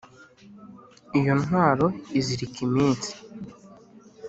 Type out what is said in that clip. Iyo ntwaro izirika iminsi